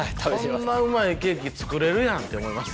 こんなうまいケーキ作れるやんって思います